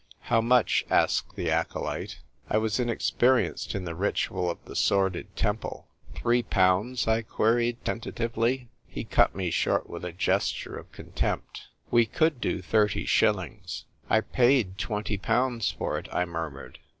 " How much ?" asked the acolyte. I was inexperienced in the ritual of the sordid temple. " Three pounds ?" I queried tentatively. He cut me short with a gesture of con tempt. " We could do thirty shillings." "I paid twenty pounds for it," I murmured.